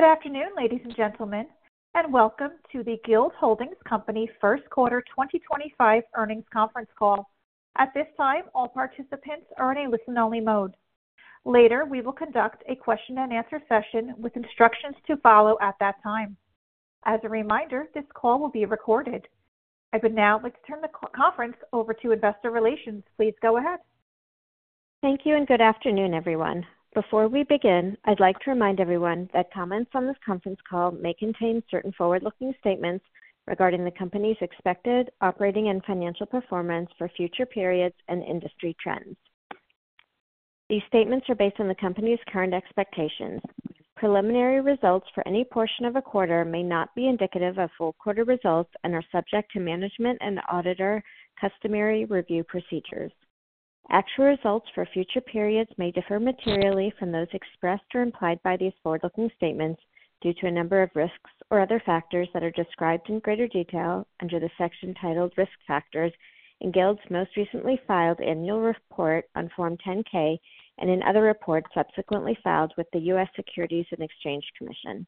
Good afternoon, ladies and gentlemen, and welcome to the Guild Holdings Company first quarter 2025 earnings conference call. At this time, all participants are in a listen-only mode. Later, we will conduct a question-and-answer session with instructions to follow at that time. As a reminder, this call will be recorded. I would now like to turn the conference over to Investor Relations. Please go ahead. Thank you and good afternoon, everyone. Before we begin, I'd like to remind everyone that comments on this conference call may contain certain forward-looking statements regarding the company's expected operating and financial performance for future periods and industry trends. These statements are based on the company's current expectations. Preliminary results for any portion of a quarter may not be indicative of full quarter results and are subject to management and auditor customary review procedures. Actual results for future periods may differ materially from those expressed or implied by these forward-looking statements due to a number of risks or other factors that are described in greater detail under the section titled Risk Factors in Guild's most recently filed annual report on Form 10-K and in other reports subsequently filed with the U.S. Securities and Exchange Commission.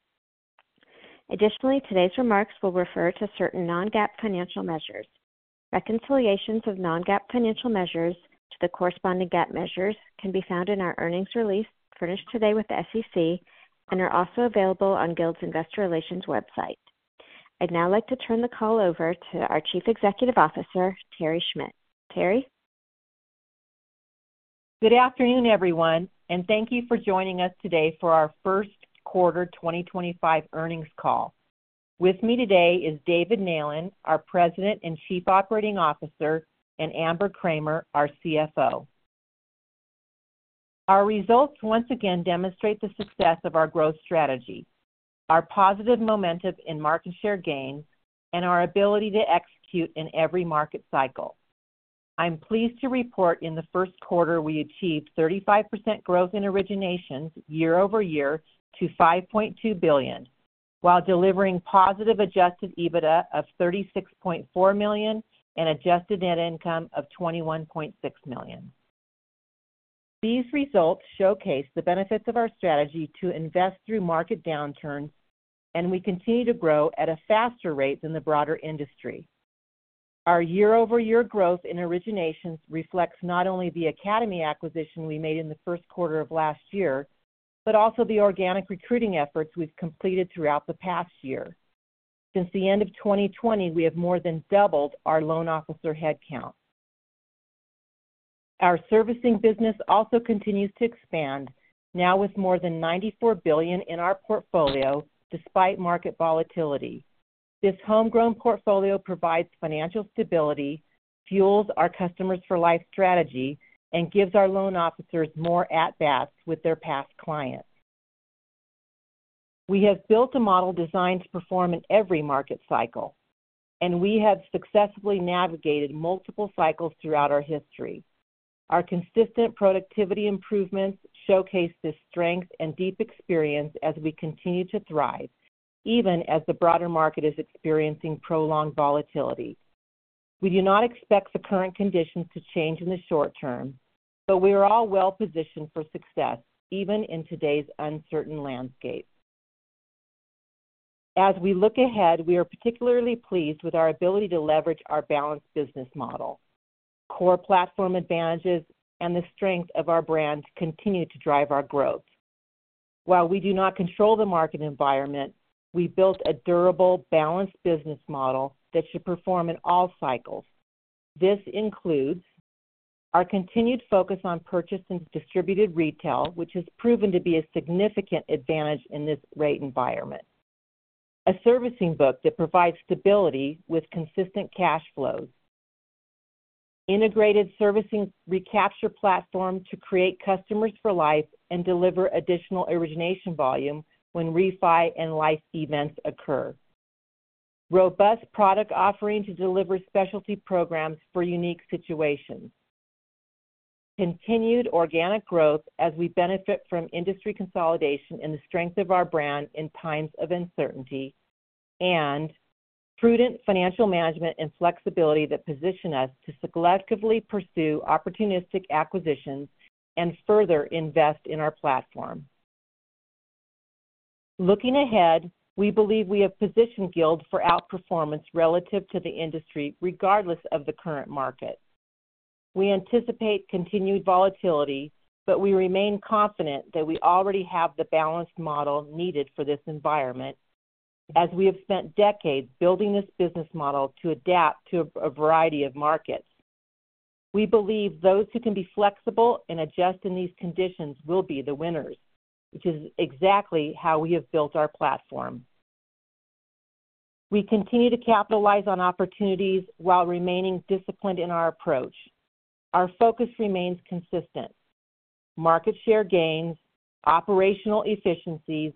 Additionally, today's remarks will refer to certain non-GAAP financial measures. Reconciliations of non-GAAP financial measures to the corresponding GAAP measures can be found in our earnings release furnished today with the SEC and are also available on Guild's Investor Relations website. I'd now like to turn the call over to our Chief Executive Officer, Terry Schmidt. Terry. Good afternoon, everyone, and thank you for joining us today for our first quarter 2025 earnings call. With me today is David Neylan, our President and Chief Operating Officer, and Amber Kramer, our CFO. Our results once again demonstrate the success of our growth strategy, our positive momentum in market share gains, and our ability to execute in every market cycle. I'm pleased to report in the first quarter we achieved 35% growth in originations year-over-year to $5.2 billion, while delivering positive adjusted EBITDA of $36.4 million and adjusted net income of $21.6 million. These results showcase the benefits of our strategy to invest through market downturns, and we continue to grow at a faster rate than the broader industry. Our year-over-year growth in originations reflects not only the Academy acquisition we made in the first quarter of last year, but also the organic recruiting efforts we've completed throughout the past year. Since the end of 2020, we have more than doubled our loan officer headcount. Our servicing business also continues to expand, now with more than $94 billion in our portfolio despite market volatility. This homegrown portfolio provides financial stability, fuels our customers-for-life strategy, and gives our loan officers more at-bats with their past clients. We have built a model designed to perform in every market cycle, and we have successfully navigated multiple cycles throughout our history. Our consistent productivity improvements showcase this strength and deep experience as we continue to thrive, even as the broader market is experiencing prolonged volatility. We do not expect the current conditions to change in the short-term, but we are all well-positioned for success, even in today's uncertain landscape. As we look ahead, we are particularly pleased with our ability to leverage our balanced business model. The core platform advantages and the strength of our brand continue to drive our growth. While we do not control the market environment, we built a durable, balanced business model that should perform in all cycles. This includes our continued focus on purchase and distributed retail, which has proven to be a significant advantage in this rate environment, a servicing book that provides stability with consistent cash flows, an integrated servicing recapture platform to create customers-for-life and deliver additional origination volume when refi and life events occur, robust product offering to deliver specialty programs for unique situations, continued organic growth as we benefit from industry consolidation and the strength of our brand in times of uncertainty, and prudent financial management and flexibility that position us to selectively pursue opportunistic acquisitions and further invest in our platform. Looking ahead, we believe we have positioned Guild for outperformance relative to the industry, regardless of the current market. We anticipate continued volatility, but we remain confident that we already have the balanced model needed for this environment, as we have spent decades building this business model to adapt to a variety of markets. We believe those who can be flexible and adjust in these conditions will be the winners, which is exactly how we have built our platform. We continue to capitalize on opportunities while remaining disciplined in our approach. Our focus remains consistent: market share gains, operational efficiencies,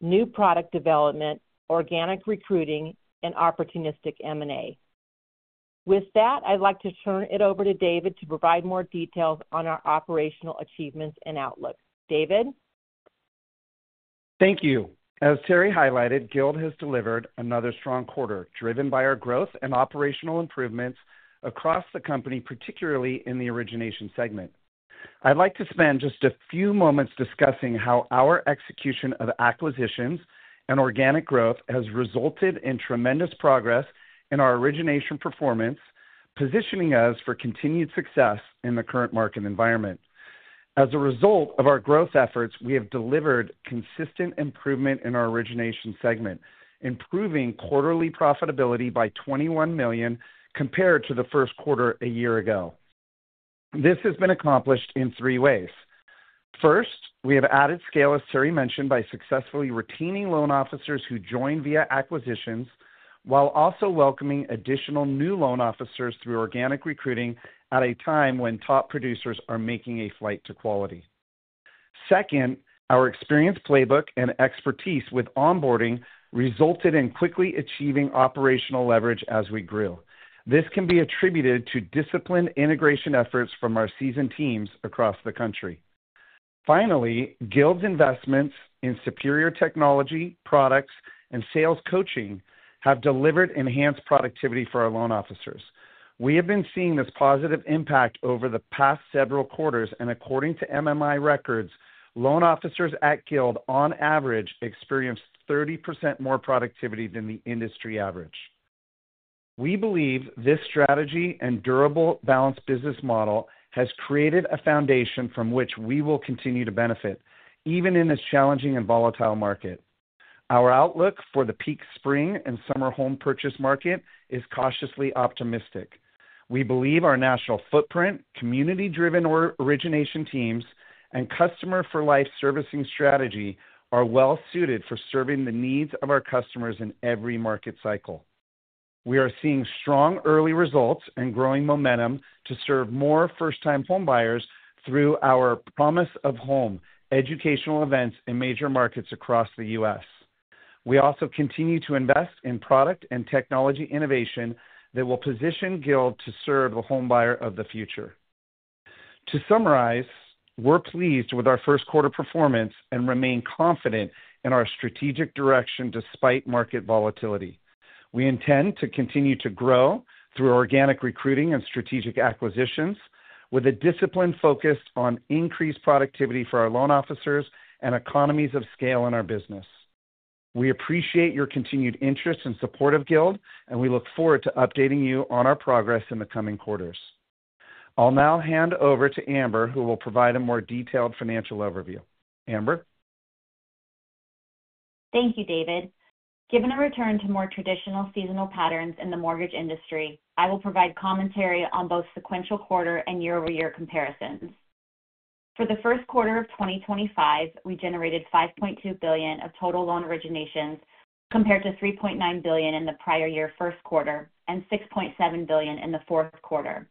new product development, organic recruiting, and opportunistic M&A. With that, I'd like to turn it over to David to provide more details on our operational achievements and outlook. David? Thank you. As Terry highlighted, Guild has delivered another strong quarter driven by our growth and operational improvements across the company, particularly in the origination segment. I'd like to spend just a few moments discussing how our execution of acquisitions and organic growth has resulted in tremendous progress in our origination performance, positioning us for continued success in the current market environment. As a result of our growth efforts, we have delivered consistent improvement in our origination segment, improving quarterly profitability by $21 million compared to the first quarter a year ago. This has been accomplished in three ways. First, we have added scale as Terry mentioned by successfully retaining loan officers who joined via acquisitions, while also welcoming additional new loan officers through organic recruiting at a time when top producers are making a flight to quality. Second, our experience playbook and expertise with onboarding resulted in quickly achieving operational leverage as we grew. This can be attributed to disciplined integration efforts from our seasoned teams across the country. Finally, Guild's investments in superior technology, products, and sales coaching have delivered enhanced productivity for our loan officers. We have been seeing this positive impact over the past several quarters, and according to MMI records, loan officers at Guild on average experience 30% more productivity than the industry average. We believe this strategy and durable, balanced business model has created a foundation from which we will continue to benefit, even in this challenging and volatile market. Our outlook for the peak spring and summer home purchase market is cautiously optimistic. We believe our national footprint, community-driven origination teams, and customer-for-life servicing strategy are well-suited for serving the needs of our customers in every market cycle. We are seeing strong early results and growing momentum to serve more first-time homebuyers through our promise of home educational events in major markets across the U.S. We also continue to invest in product and technology innovation that will position Guild to serve the homebuyer of the future. To summarize, we're pleased with our first quarter performance and remain confident in our strategic direction despite market volatility. We intend to continue to grow through organic recruiting and strategic acquisitions, with a discipline focused on increased productivity for our loan officers and economies of scale in our business. We appreciate your continued interest and support of Guild, and we look forward to updating you on our progress in the coming quarters. I'll now hand over to Amber, who will provide a more detailed financial overview. Amber? Thank you, David. Given a return to more traditional seasonal patterns in the mortgage industry, I will provide commentary on both sequential quarter and year-over-year comparisons. For the first quarter of 2025, we generated $5.2 billion of total loan originations compared to $3.9 billion in the prior year first quarter and $6.7 billion in the fourth quarter.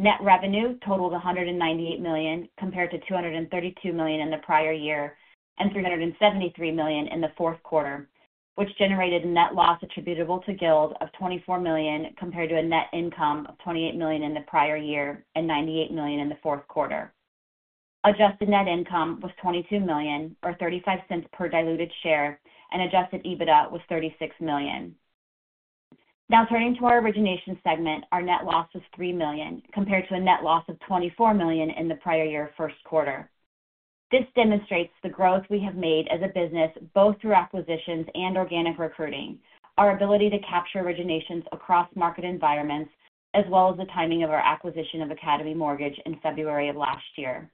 Net revenue totaled $198 million, compared to $232 million in the prior year and $373 million in the fourth quarter, which generated a net loss attributable to Guild of $24 million compared to a net income of $28 million in the prior year and $98 million in the fourth quarter. Adjusted net income was $22 million, or $0.35 per diluted share, and adjusted EBITDA was $36 million. Now turning to our origination segment, our net loss was $3 million, compared to a net loss of $24 million in the prior year first quarter. This demonstrates the growth we have made as a business both through acquisitions and organic recruiting, our ability to capture originations across market environments, as well as the timing of our acquisition of Academy Mortgage in February of last year.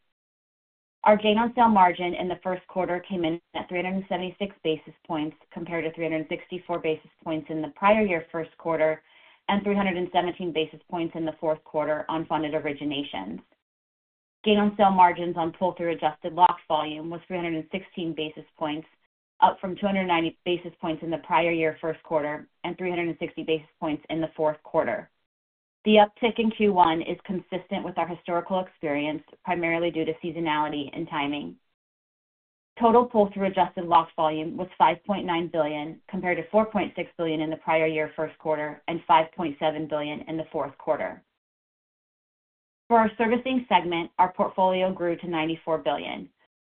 Our gain-on-sale margin in the first quarter came in at 376 basis points, compared to 364 basis points in the prior year first quarter and 317 basis points in the fourth quarter on funded originations. Gain-on-sale margins on pull-through adjusted locked volume was 316 basis points, up from 290 basis points in the prior year first quarter and 360 basis points in the fourth quarter. The uptick in Q1 is consistent with our historical experience, primarily due to seasonality and timing. Total pull-through adjusted locked volume was $5.9 billion, compared to $4.6 billion in the prior year first quarter and $5.7 billion in the fourth quarter. For our servicing segment, our portfolio grew to $94 billion.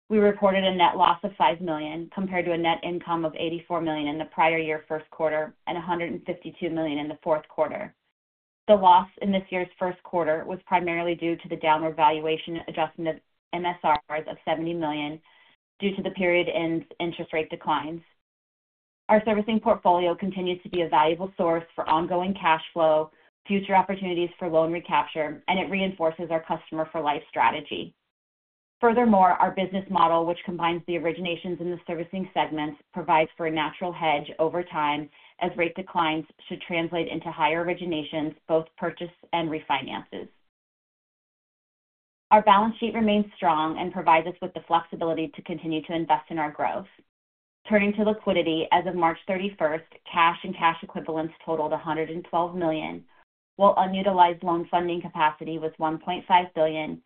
We reported a net loss of $5 million, compared to a net income of $84 million in the prior year first quarter and $152 million in the fourth quarter. The loss in this year's first quarter was primarily due to the downward valuation adjustment of MSRs of $70 million due to the period-end interest rate declines. Our servicing portfolio continues to be a valuable source for ongoing cash flow, future opportunities for loan recapture, and it reinforces our customer-for-life strategy. Furthermore, our business model, which combines the originations in the servicing segments, provides for a natural hedge over time as rate declines should translate into higher originations, both purchase and refinances. Our balance sheet remains strong and provides us with the flexibility to continue to invest in our growth. Turning to liquidity, as of March 31, cash and cash equivalents totaled $112 million, while unutilized loan funding capacity was $1.5 billion,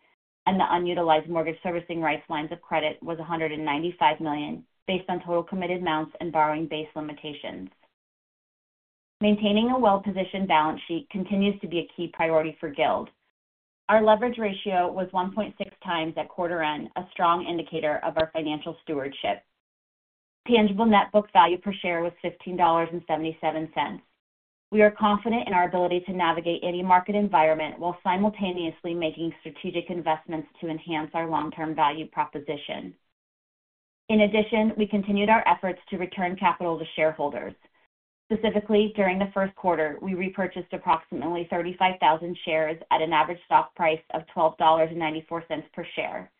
and the unutilized mortgage servicing rights lines of credit was $195 million, based on total committed amounts and borrowing base limitations. Maintaining a well-positioned balance sheet continues to be a key priority for Guild. Our leverage ratio was 1.6x at quarter end, a strong indicator of our financial stewardship. Tangible net book value per share was $15.77. We are confident in our ability to navigate any market environment while simultaneously making strategic investments to enhance our long-term value proposition. In addition, we continued our efforts to return capital to shareholders. Specifically, during the first quarter, we repurchased approximately 35,000 shares at an average stock price of $12.94 per share.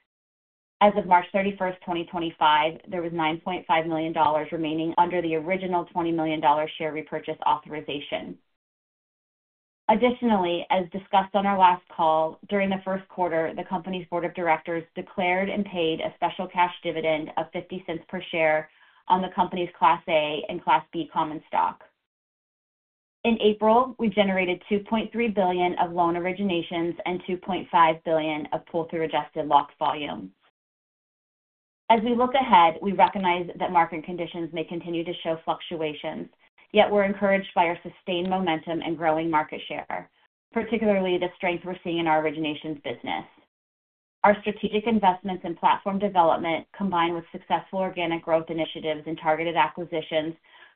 As of March 31, 2025, there was $9.5 million remaining under the original $20 million share repurchase authorization. Additionally, as discussed on our last call, during the first quarter, the company's board of directors declared and paid a special cash dividend of $0.50 per share on the company's Class A and Class B common stock. In April, we generated $2.3 billion of loan originations and $2.5 billion of pull-through adjusted locked volume. As we look ahead, we recognize that market conditions may continue to show fluctuations, yet we're encouraged by our sustained momentum and growing market share, particularly the strength we're seeing in our originations business. Our strategic investments and platform development, combined with successful organic growth initiatives and targeted acquisitions,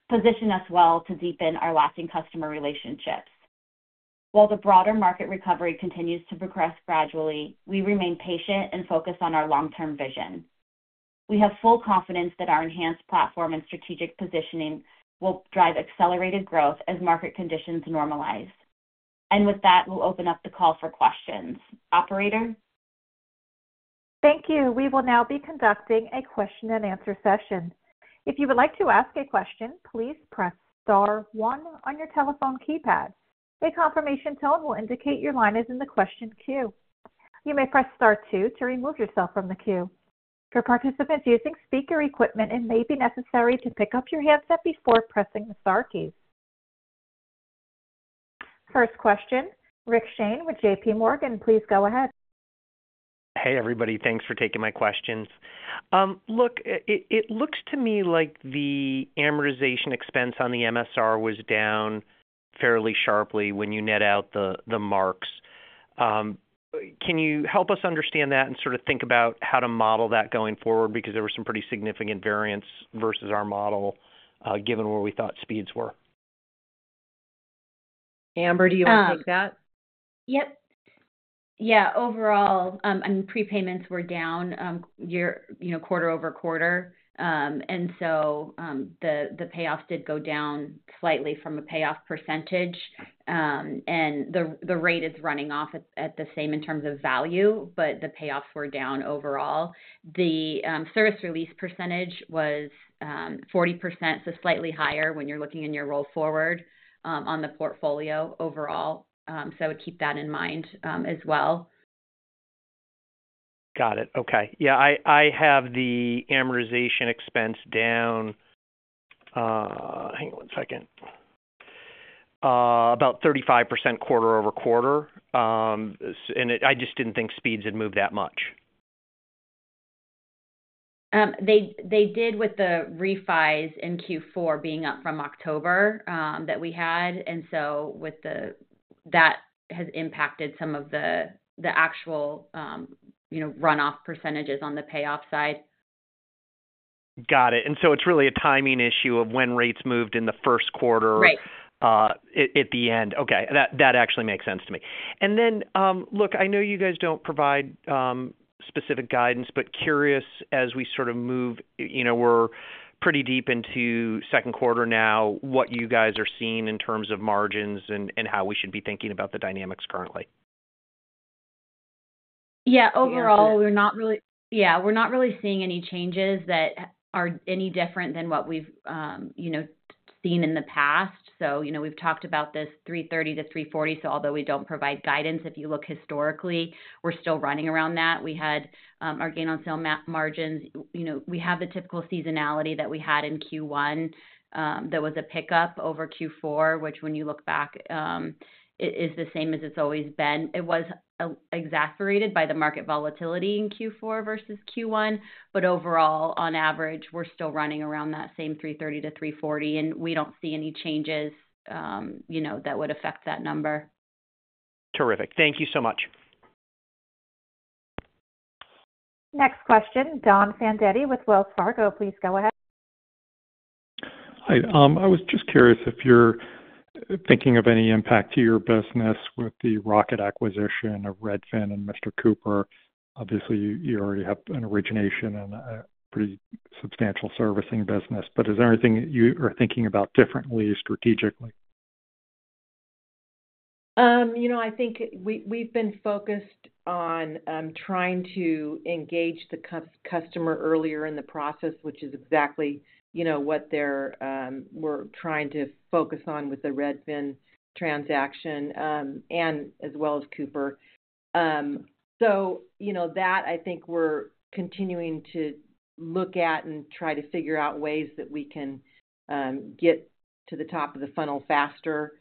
position us well to deepen our lasting customer relationships. While the broader market recovery continues to progress gradually, we remain patient and focused on our long-term vision. We have full confidence that our enhanced platform and strategic positioning will drive accelerated growth as market conditions normalize. With that, we'll open up the call for questions. Operator? Thank you. We will now be conducting a question-and-answer session. If you would like to ask a question, please press star one on your telephone keypad. A confirmation tone will indicate your line is in the question queue. You may press star two to remove yourself from the queue. For participants using speaker equipment, it may be necessary to pick up your handset before pressing the Star keys. First question, Rich Shane with JPMorgan. Please go ahead. Hey, everybody. Thanks for taking my questions. Look, it looks to me like the amortization expense on the MSR was down fairly sharply when you net out the marks. Can you help us understand that and sort of think about how to model that going forward? Because there were some pretty significant variants versus our model, given where we thought speeds were. Amber, do you want to take that? Yep. Yeah. Overall, I mean, prepayments were down quarter-over-quarter. I mean, the payoffs did go down slightly from a payoff percentage. The rate is running off at the same in terms of value, but the payoffs were down overall. The service release percentage was 40%, so slightly higher when you're looking in your roll forward on the portfolio overall. Keep that in mind as well. Got it. Okay. Yeah. I have the amortization expense down—hang on one second—about 35% quarter-over-quarter. And I just didn't think speeds had moved that much. They did with the refis in Q4 being up from October that we had. That has impacted some of the actual runoff percentages on the payoff side. Got it. It is really a timing issue of when rates moved in the first quarter at the end. Okay. That actually makes sense to me. Look, I know you guys do not provide specific guidance, but curious as we sort of move—we are pretty deep into second quarter now—what you guys are seeing in terms of margins and how we should be thinking about the dynamics currently. Yeah. Overall, we're not really—yeah, we're not really seeing any changes that are any different than what we've seen in the past. So we've talked about this $330-$340. So although we don't provide guidance, if you look historically, we're still running around that. We had our gain-on-sale margins. We have the typical seasonality that we had in Q1 that was a pickup over Q4, which when you look back, is the same as it's always been. It was exacerbated by the market volatility in Q4 versus Q1. Overall, on average, we're still running around that same $330-$340, and we don't see any changes that would affect that number. Terrific. Thank you so much. Next question, Don Fandetti with Wells Fargo. Please go ahead. Hi. I was just curious if you're thinking of any impact to your business with the Rocket acquisition of Redfin and Mr. Cooper. Obviously, you already have an origination and a pretty substantial servicing business. Is there anything you are thinking about differently strategically? I think we've been focused on trying to engage the customer earlier in the process, which is exactly what we're trying to focus on with the Redfin transaction, as well as Cooper. I think we're continuing to look at and try to figure out ways that we can get to the top of the funnel faster.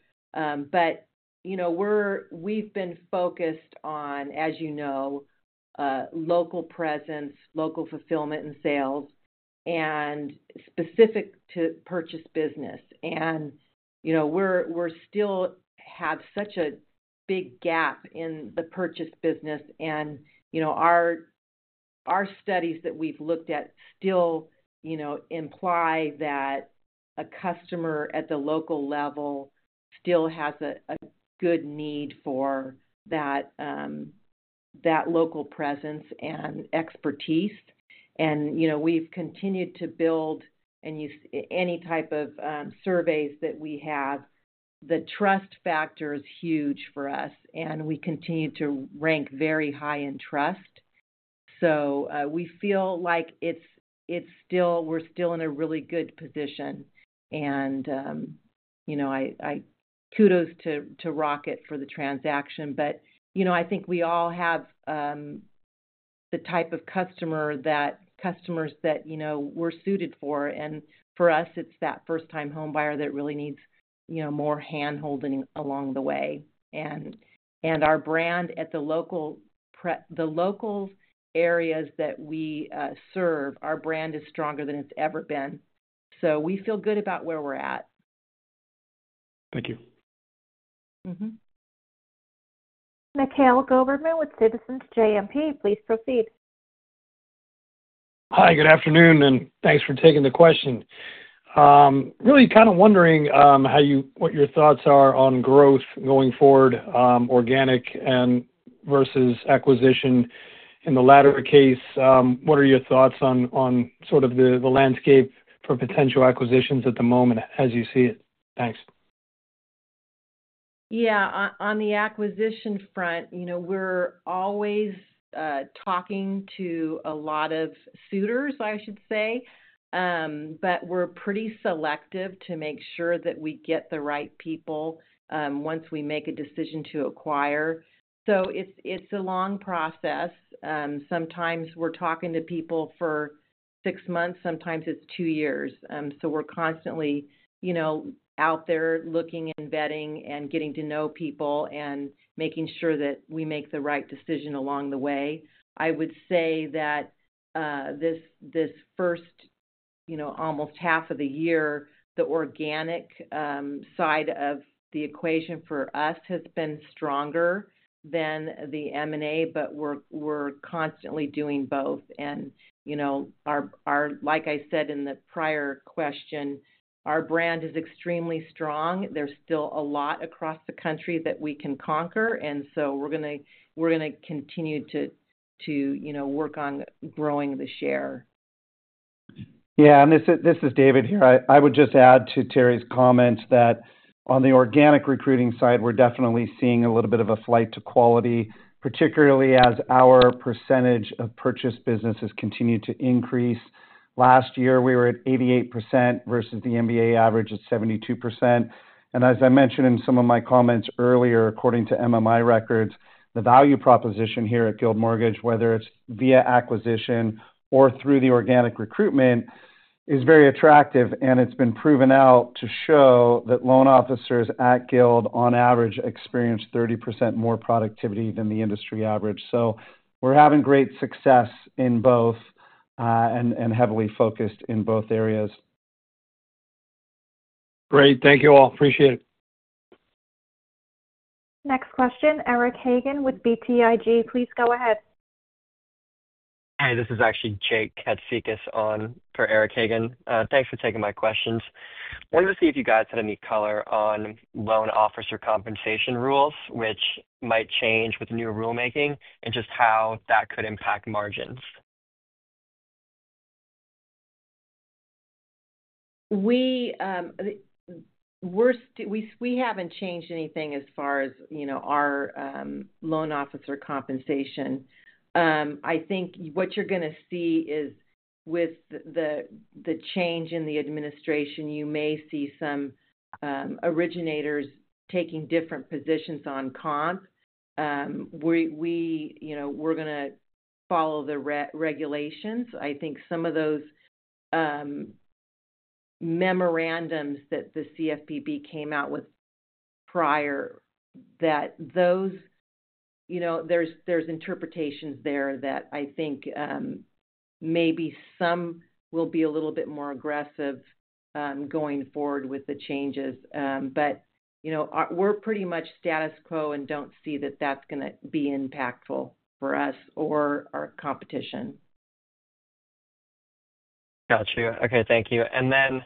We've been focused on, as you know, local presence, local fulfillment, and sales, and specific to purchase business. We still have such a big gap in the purchase business. Our studies that we've looked at still imply that a customer at the local level still has a good need for that local presence and expertise. We've continued to build, and any type of surveys that we have, the trust factor is huge for us. We continue to rank very high in trust. We feel like we're still in a really good position. Kudos to Rocket for the transaction. I think we all have the type of customer that customers that we're suited for. For us, it's that first-time homebuyer that really needs more handholding along the way. Our brand at the local areas that we serve, our brand is stronger than it's ever been. We feel good about where we're at. Thank you. Mm-hmm. Nikhil Gilberman with Citizens JMP. Please proceed. Hi. Good afternoon, and thanks for taking the question. Really kind of wondering what your thoughts are on growth going forward, organic versus acquisition. In the latter case, what are your thoughts on sort of the landscape for potential acquisitions at the moment as you see it? Thanks. Yeah. On the acquisition front, we're always talking to a lot of suitors, I should say. We're pretty selective to make sure that we get the right people once we make a decision to acquire. It is a long process. Sometimes we're talking to people for six months. Sometimes it's two years. We're constantly out there looking and vetting and getting to know people and making sure that we make the right decision along the way. I would say that this first almost half of the year, the organic side of the equation for us has been stronger than the M&A, but we're constantly doing both. Like I said in the prior question, our brand is extremely strong. There's still a lot across the country that we can conquer. We're going to continue to work on growing the share. Yeah. This is David here. I would just add to Terry's comments that on the organic recruiting side, we're definitely seeing a little bit of a flight to quality, particularly as our percentage of purchase businesses continue to increase. Last year, we were at 88% versus the MBA average of 72%. As I mentioned in some of my comments earlier, according to MMI records, the value proposition here at Guild Mortgage, whether it's via acquisition or through the organic recruitment, is very attractive. It's been proven out to show that loan officers at Guild, on average, experience 30% more productivity than the industry average. We're having great success in both and heavily focused in both areas. Great. Thank you all. Appreciate it. Next question, Eric Hagen with BTIG. Please go ahead. Hi. This is actually Jake Katsikas for Eric Hagen. Thanks for taking my questions. I wanted to see if you guys had any color on loan officer compensation rules, which might change with new rulemaking, and just how that could impact margins. We haven't changed anything as far as our loan officer compensation. I think what you're going to see is with the change in the administration, you may see some originators taking different positions on comp. We're going to follow the regulations. I think some of those memorandums that the CFPB came out with prior, that those there's interpretations there that I think maybe some will be a little bit more aggressive going forward with the changes. We're pretty much status quo and don't see that that's going to be impactful for us or our competition. Gotcha. Okay. Thank you. Do you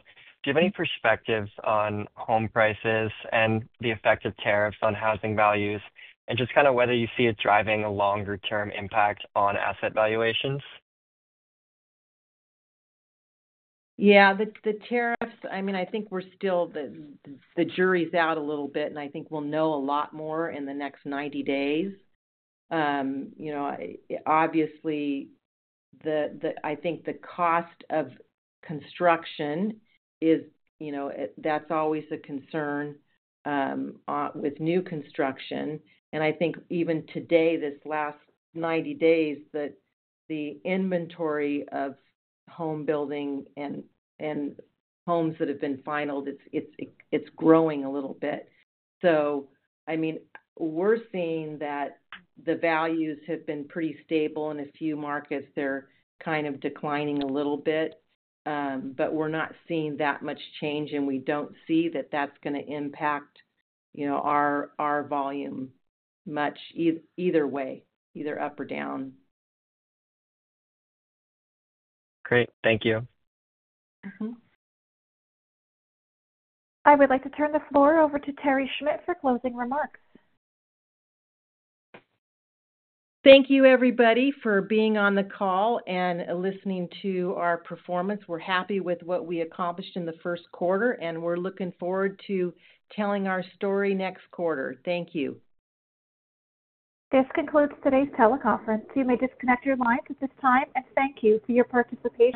have any perspectives on home prices and the effect of tariffs on housing values and just kind of whether you see it driving a longer-term impact on asset valuations? Yeah. The tariffs, I mean, I think we're still the jury's out a little bit, and I think we'll know a lot more in the next 90 days. Obviously, I think the cost of construction, that's always a concern with new construction. I think even today, this last 90 days, the inventory of home building and homes that have been finaled, it's growing a little bit. I mean, we're seeing that the values have been pretty stable. In a few markets, they're kind of declining a little bit. We're not seeing that much change, and we don't see that that's going to impact our volume much either way, either up or down. Great. Thank you. I would like to turn the floor over to Terry Schmidt for closing remarks. Thank you, everybody, for being on the call and listening to our performance. We're happy with what we accomplished in the first quarter, and we're looking forward to telling our story next quarter. Thank you. This concludes today's teleconference. You may disconnect your lines at this time. Thank you for your participation.